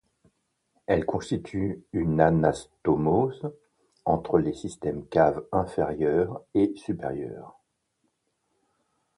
Elle constitue une anastomose entre les systèmes caves inférieur et supérieur.